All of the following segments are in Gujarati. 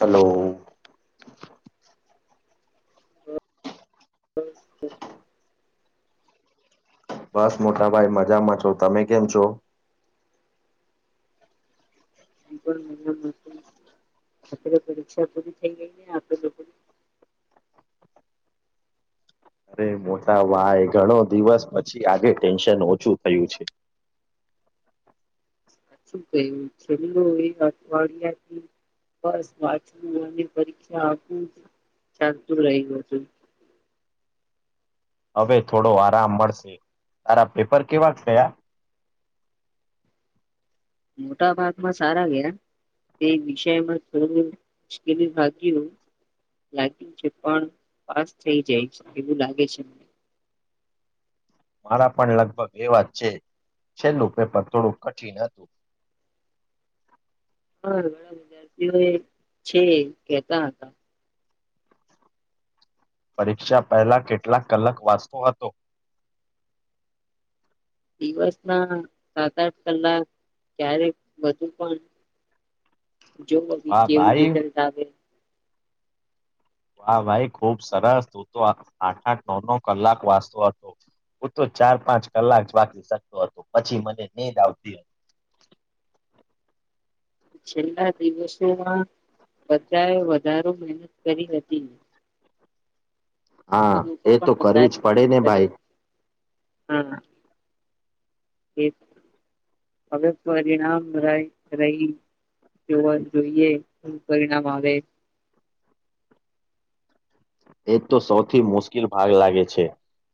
હેલો [inaudible] બસ મોટા ભાઈ મજામાં છો તમે કેમ છો [inaudible] પરીક્ષા [inaudible] અરે મોટા ભાય ઘણો દિવસ પછી આગે ટેન્શન ઓછું થયું છે. શું કહ્યું છેલ્લે એક અઠવાડિયાથી બસ વાચવું અને પરીક્ષા આપું જ ચાલતું રહ્યું હતું હવે થોડો આરામ મળશે તારા પેપર કેવા થયા મોટા ભાગમાં સારા ગયા [unintelligible] વિષયમાં થોડું મુશ્કેલી ભાગ્યું લાગ્યું છે પણ પાસ થઈ જઈશ એવું લાગે છે મને મારા પણ લગભગ એ વાજ છે છેલ્લું પેપર થોડું કઠિન હતું હા ઘણા વિદ્યાર્થીઓ એ છેડે કેહતા હતા. પરીક્ષા પહેલા કેટલાક કલાક વાંચતો હતો દિવસ ના સાત આઠ કલાક ક્યારેક બધુ પણ જોવ [unintelligible] વાહ કેવી ભાઈ રિઝલ્ટ આવે તો આ ભાઈ ખુબ સરસ તું તો આઠ આઠ નવ નવ કલાક વાંચતો હતો હું તો ચાર પાંચ કલાક વાચી શકતો હતો પછી મને નીંદ આવતી છેલ્લા દિવસોમાં બધાએ વધારે મહેનત કરી હતી. હા અને લોકો એ તો પણ કરવી જ વધારે પડે મહેનત ને કર્યો ભાઈ હા એ હવે પરિણામ ર રહી જોવા જઈએ શું પરિણામ આવે એ તો સૌથી મુશ્કિલ ભાગ લાગે છે.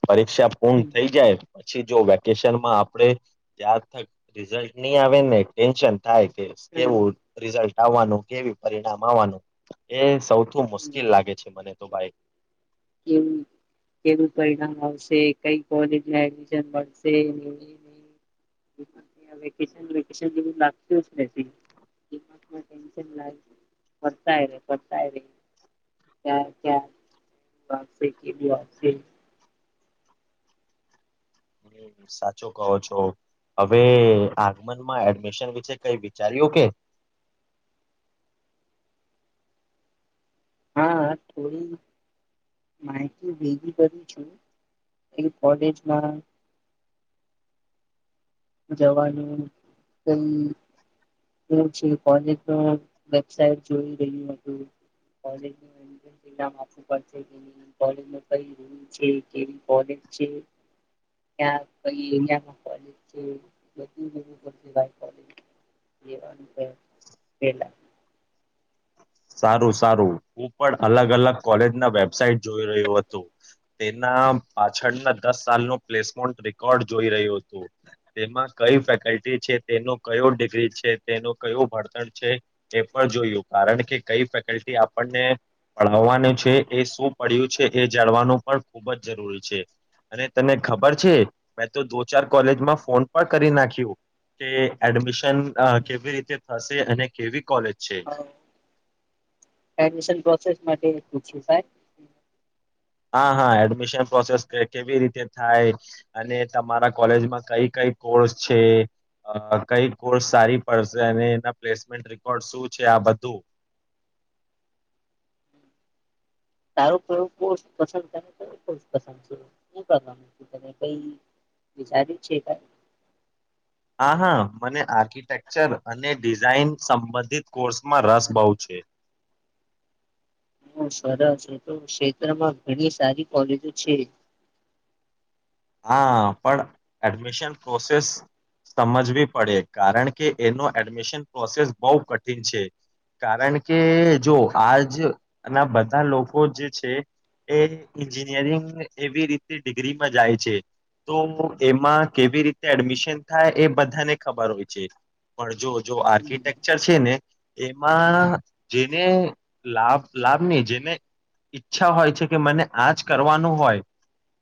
પરીક્ષા પૂર્ણ હમ થઈ જાય. પછી જો વેકેશનમાં આપડે ત્યાગ થઇ રિઝલ્ટ ની આવે ને ટેન્શન થાય છે હમ કેવું, રિઝલ્ટ આવાનું કેવું પરિણામ આવવાનું એ સૌ થી હમ. મુશ્કિલ લાગે છે મને તો ભાઈ હમ્મ કેવું કેવું પરિણામ મળશે કઈ કોલેજ એમિશન મળશે [inaudible] [unintelligible] [inaudible] [unintelligible] હ સાચો કહો છો હવે આગમનમાં એડમિશન વિશે કઈ વિચાર્યું કે? હા થોડી માહિતી ભેગી કરી છું, કોલેજમાં જવાનું તેમ જોઉં છું કોલેજનો નકશાઓ જોઈ રહ્યો, [unintelligible] [unintelligible] સારું સારું, હું પણ અલગ અલગ કોલેજ ના વેબસાાઈટ જોઈ રહ્યો હતો તેના પાછળના દસ સાલ નો પ્લેસમોન્ટ રેકોર્ડ જોઈ રહ્યું હતું, તેમાં કઈ ફેકલ્ટી છે તેનો કયો ડિગ્રી છે તેનું કયું ભળતણ છે, એ પણ જોયું કારણ કે કઈ ફેકલ્ટી આપણને પઢાવાનું છે એ શું પડ્યું છે એ જાણવાનું પણ ખુબ જ જરૂરી છે, અને તને ખબર છે મેં તો દો ચાર કોલેજમાં ફોન પણ કરી નાખ્યું, કે એડમિશન કેવી રીતે થશે અને કેવી કોલેજ છે. એડમિશન પ્રોસેસ માટે પૂછું હા. હા હા એડમિશન પ્રોસેસ કેવી રીતે થાય અને તમારા કોલેજમાં કઈ કઈ કોર્સ છે, અ કઈ કોર્સ સારી પડશે અને એના પ્લેસમેન્ટ રેકોર્ડ શું છે, આ બધું. તારો પ્રયોગ બો પસંદ કરે તો પસંદ છે શું કરવાનું છો, તમે કઈ વિચાર્યું છે, કાંઈ હા હા મને આર્કિટેક્ચર અને ડિઝાઇન સંબંધિત કોર્સમાં રસ બહુ છે. હ સરસ ક્ષેત્રમાં ઘણી સારી કોલેજો છે. હા પણ એડમિશન પ્રોસેસ સમજવી પડે કારણ કે એનો એડમિશન પ્રોસેસ બઉ કઠિન છે, કારણ કે જો આજ ના બધા લોકો જે છે એ ઇન્જિનયરિંગ એવી રીતે ડિગ્રીમાં જાય છે છે તો એમાં કેવી રીતે એડમિશન થાય એ બધાને ખબર હોય છે, પણ જો જો હમ. આર્કિટેકચર છે ને એમાં જેને લાભ લાભ નહી જેને ઈચ્છા હોય છે, કે મને આજ કરવાનું હોય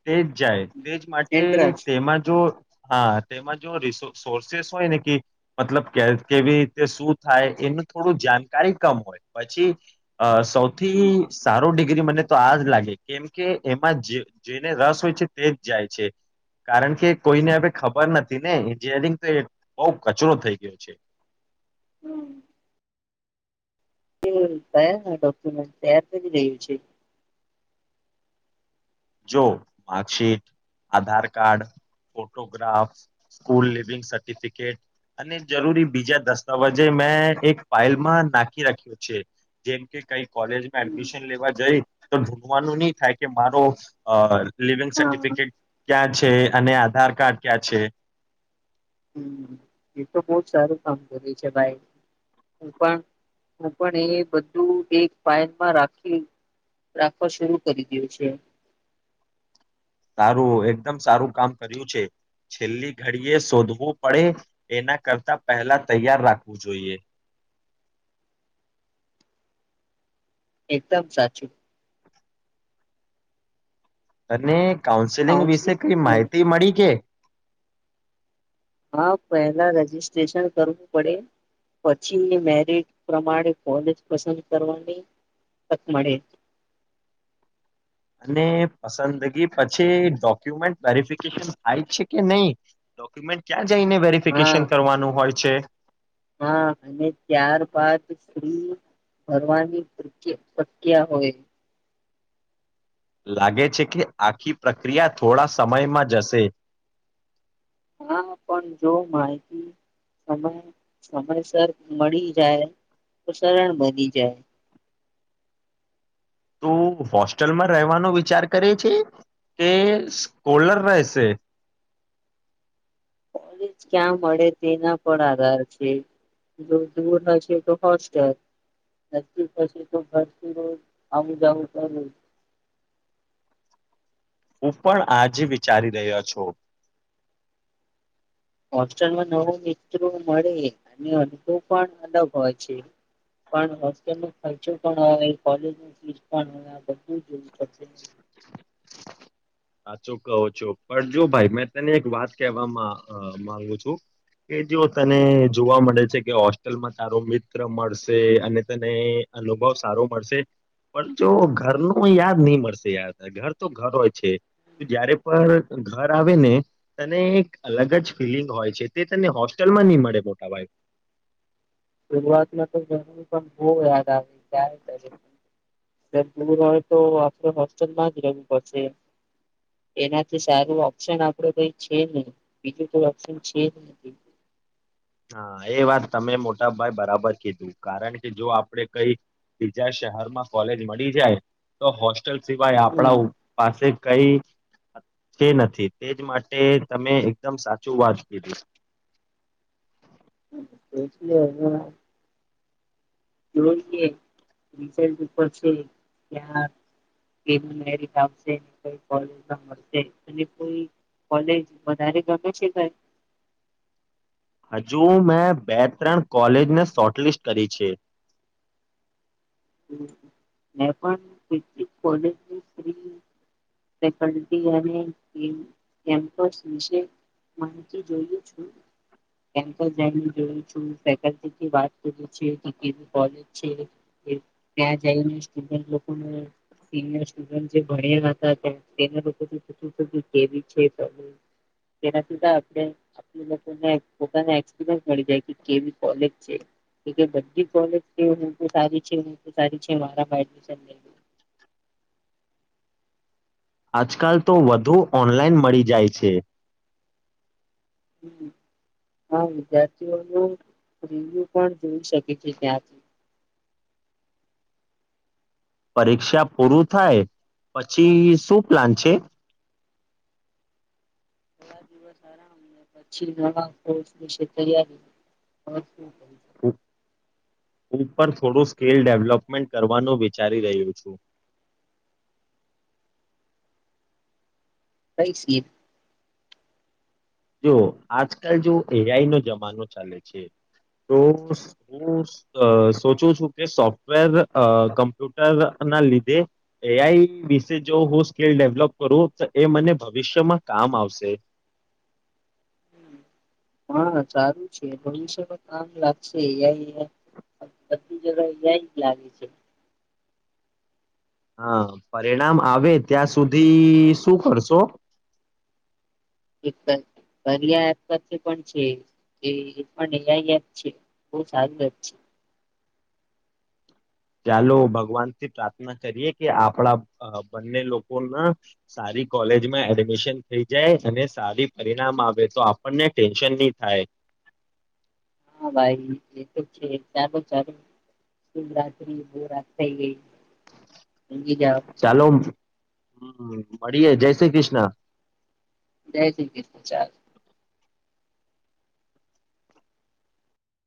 તે જ જાય. તેજ માટે ઇન્ટરેસ્ટ તેમાં જો હા તેમાં જો રિસો સોર્સેસ હોય ને કે મતલબ કેવી રીતે શું થાય, એનું થોડું જાણકારી કમ હોય પછી અ સૌથી સારો ડિગ્રી મને તો આ જ લાગે કેમ કે એમાં જે જેને રસ હોય છે. તે જ જાય છે, કારણ કે કોઈને હદ ખબર નથી ને એન્જિનયરિંગ તો એ બઉ કચરો થઈ ગયો છે. એ કયા ડોક્યુમેન્ટ તૈયાર કરી રહ્યું છે, જો marksheet Aadhaar card photograph school leaving certificate અને જરૂરી બીજા દસ્તાવેજે મેં એક ફઇલમાં નાખી રાખ્યો છે જેમકે કઈ કોલેજમાં એડમિશન લેવા જઈ તો ઢૂનવાનું નહી થાય કે મારો અ લિવિંગ હા સર્ટિફિકેટ ક્યાં છે, અને આધાર કાર્ડ ક્યાં છે, હમ. એ તો બહ જ સારું કામ કરે છે ભાઈ હું પણ હું પણ એ બધું એક પાાયનમાં રાખી રાખવા શર કરી દું છે. સારું એકદમ સારું કામ કર્યું છે, છેલ્લી ઘડીએ શોધવું પડે એના કરતા પહેલા તૈયાર રાખવું જોઈએ, એકદમ સાચું અને કાઉન્સેલિંગ વિશે કાઉન્સલિંગ કઈ હમ. માહિતી મળી કે હા પહેલા રજિસ્ટ્રેશન કરવું પડે, પછી મેરિટ પ્રમાણે કોલેજ પસંદ કરવાની, તક મળે અને પસંદગી પછી ડોક્યુમેન્ટ વેરિફિકેશન થાય છે, કે નહી ડોક્યુમેન્ટ ક્યાં જઈને હા વેરિફિકેશન કરવાનું હોય છે સ્ત્રી ભરવાની શક્યા હોય લાગે છે કે આખી પ્રક્રિયા થોડા સમયમાં જશે હા પણ જો માહિતી સમય સમયસર મળી જાય તો સરળ બની જાય તો હોસ્ટેલમાં રહેવાનો વિચાર કરે છે કે સ્કોલર રહેશે ક્યાં મળે તેના પર આધાર છે જો દૂર હશે તો હોસ્ટલ નજીક હશે તો ઘરથી રોજ આવું જવું કર હું પણ આજ વિચારી રહ્યો છું હોસ્ટેલમાં નવો મિત્રો મળે અને અનુભવ પણ અલગ હોય છે પણ હોસ્ટેલ નો ખર્ચો પણ હો કોલેજ ફીસ પણ બવું [inaudible] સાચો કહો છો પણ જો ભાઈ મેં તને એક વાત કહેવામાં માંગુ છું કે જો તને જોવા મળે છે કે હોસ્ટેલમાં તારો મિત્ર મળશે અને તને અનુભવ સારો મળશે પણ જો ઘરનું યાદ નહી મળશે ઘર તો ઘરોય છે જયારે પણ ઘર આવે ને તને એક અલગ જ ફિલિંગ હોય છે તે તને હોસ્ટેલમાં નહી મળે મોટા ભાઈ શરૂઆતમાં તો ઘરની પણ બહુ યાદ આવી [unintelligible] સર દૂર હોય તો આપણે હોસ્ટેલમાં જ રહેવું પડશે એનાથી સારું ઓપ્શન આપડે કઈ છે નહી બીજું કોઈ ઓપ્શન છે જ હા એ વાત તમે મોટાભાઈ બરાબર કીધું કારણ કે જો આપડે કઈ બીજા શહેરમાં કોલેજ મળી જાય તો હો હોસ્ટેલ સિવાય આપણા હમ પાસે કઈ તે નથી તેજ માટે તમે એકદમ સાચું વાત કીધી છે હ જો રલ ઉપર [unintelligible] છે ત્યાં મેટ આવશેઈલેજમાં મળશે અને કોઈ કોલેજ વધારે ગમે છે હજુ મેં બે ત્રણ કોલેજને શોર્ટલિસ્ટ કરી છે મે પણલી ઘણી કોલેજ ની ફેકલ્ટી અને કેમ્પસ વિશે માહિતી જોયેલી છે ફેકલ્ટી થી વાત કરી છે કે કેવી કૉલેજ છે ત્યાં જઈને સ્ટુડન્ટ લોકોને સિનિયર સ્ટુડન્ટ જે ભણેલા હતા તેમના થી પૂછ્યો છે પોતાને ને એક્સપીરિયાસ મળી જાય કી કેવી કૉલેજ છે કે જે બધું કૉલેજ છે એ સારી સારી છે મારામાં એમિશન લઈ લે આજકાલ તો બધુ ઓનલાઈન મળી જાય છે આ વિદ્યાર્થીઓ ન રિવ્યુ પણ જોઈ શકે છે ત્યાંથી પરીક્ષા પૂરું થાય પછી શું પ્લાન છે થોડા દિવસ પછી બીજા કોર્સ ની તૈયારી શું કરી શકું? હા ઉપર થોડું સ્કિલ ડેવલપમેન્ટ કરવાનું વિચારી રહ્યું છું કહી સ્કીલ જો આજકાલ જો એઆઈ નો જમાનો ચાલે છે તો હું સોચું છું કે સોફ્ટવેર કમ્પ્યુટર ના લીધે એઆઈ વિશે જો હું સ્કીલ ડેવલોપ કરું તો એ મને ભવિષ્યમાં કામ આવશે હા સારું છે ભવિષ્ય માં કામ લાગશેં બધી જગ્યા આજ લાગશે હા પરિણામ આવે ત્યાં સુધી શું કરશો [unintelligible] એક એ આઈ એપ છે એ બૌ સારું એપ છે ચાલો ભગવાન થી પ્રાર્થના કરીએ કે આપણા બંને લોકોના સારી કોલેજમાં એડમિશન થઈ જાય અને સારી પરિણામ આવે તો આપણને ટેન્શન નહી થાય હા ભાઈ એ તો છે ચાલો ચાલો શિવરાત્રી બો રાત થઈ ગઈ ઊંઘી જાવ ચાલો માળીએ જય શ્રી કૃષ્ણ જય શ્રી કૃષ્ણ ચાલ